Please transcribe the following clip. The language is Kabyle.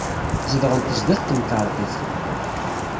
Zedɣent sdat temkarḍit.